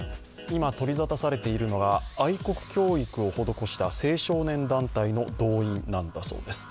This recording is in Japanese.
今、取り沙汰されているのが愛国教育を施した青少年団体の動員なんだそうです。